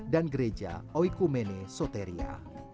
dan gereja oikumene soteria